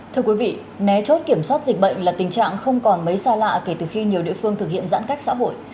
thưa quý vị né chốt kiểm soát dịch bệnh là tình trạng không còn mấy xa lạ kể từ khi nhiều địa phương thực hiện giãn cách xã hội